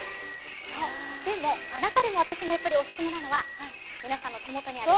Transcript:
そうでも中でも私がやっぱりオススメなのは皆さんの手元にある。